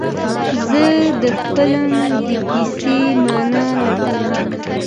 زه د فلم د کیسې معنی لټوم.